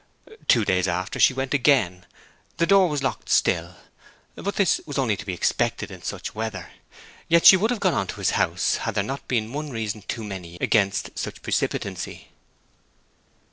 Two days after she went again. The door was locked still. But this was only to be expected in such weather. Yet she would have gone on to his house, had there not been one reason too many against such precipitancy.